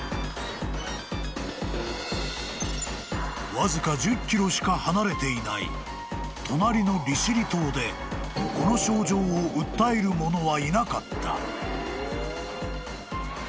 ［わずか１０ｋｍしか離れていない隣の利尻島でこの症状を訴える者はいなかった］